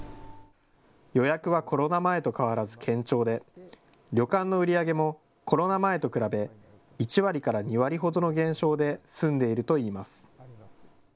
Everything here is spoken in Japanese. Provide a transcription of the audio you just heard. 予約はコロナ前と変わらず堅調で旅館の売り上げもコロナ前と比べ１割から２割ほどの減少で済んでいるといいます。